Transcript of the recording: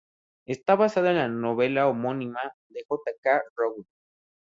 Está basada en la novela homónima de J. K. Rowling.